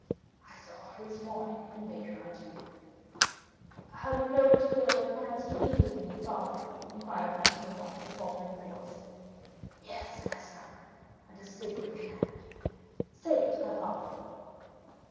"I saw her this morning, and bade her adieu." "Have you no particular commands to leave with me, my father?" inquired Maximilian in a faltering voice. "Yes; my son, and a sacred command." "Say it, my father."